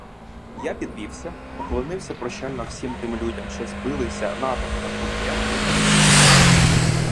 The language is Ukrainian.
Я підвівся, уклонився прощально всім тим людям, що збились натовпом у дверях їдальні.